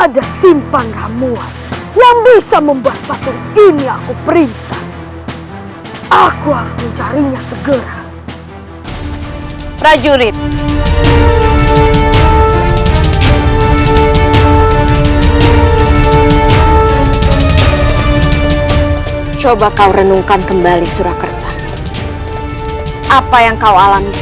jika kau bisa mencari kakak iparmu